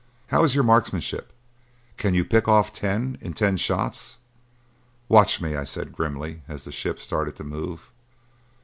How is your marksmanship? Can you pick off ten in ten shots?" "Watch me," I said grimly as the ship started to move.